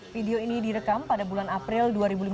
video ini direkam pada bulan april dua ribu lima belas